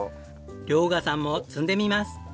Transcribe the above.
遼河さんも摘んでみます。